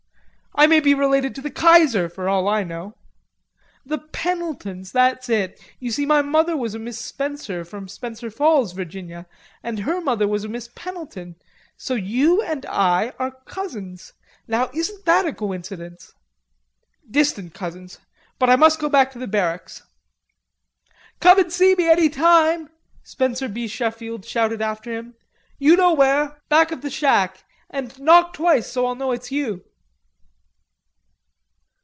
"I may be related to the Kaiser for all I know." "The Penneltons... that's it. You see my mother was a Miss Spencer from Spencer Falls, Virginia, and her mother was a Miss Pennelton, so you and I are cousins. Now isn't that a coincidence?" "Distant cousins. But I must go back to the barracks." "Come in and see me any time," Spencer B. Sheffield shouted after him. "You know where; back of the shack; And knock twice so I'll know it's you."